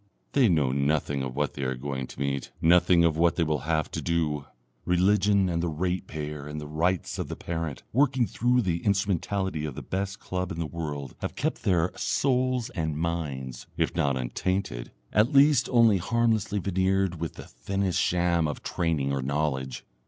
They know nothing of what they are going to meet, nothing of what they will have to do; Religion and the Ratepayer and the Rights of the Parent working through the instrumentality of the Best Club in the World have kept their souls and minds, if not untainted, at least only harmlessly veneered, with the thinnest sham of training or knowledge.